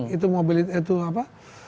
itu mobil itu apa